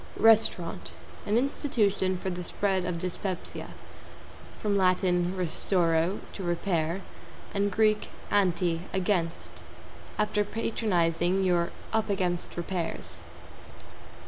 =RESTAURANT= An institution for the spread of dyspepsia. From Lat. restauro, to repair, and Grk. anti, against. After patronizing, you're "up against repairs."